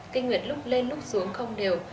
kinh nguyện lúc lên lúc xuống không đều